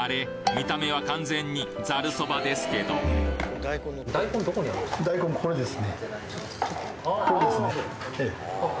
見た目は完全にざるそばですけどコレですねええ。